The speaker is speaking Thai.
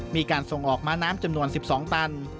มีการส่งออกม้าน้ำจำนวน๑๒ตัน